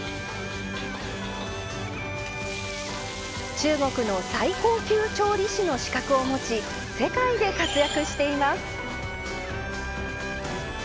中国の最高級調理士の資格を持ち世界で活躍しています。